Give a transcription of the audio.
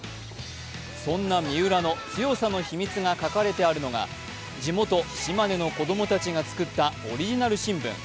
そんな三浦の強さの秘密が書かれているのが地元・島根の子供たちが作ったオリジナル新聞。